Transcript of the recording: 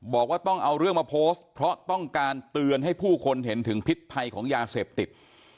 บอกว่าต้องเอาเรื่องมาโพสต์เพราะต้องการเตือนให้ผู้คนเห็นถึงพิษภัยของยาเสพติด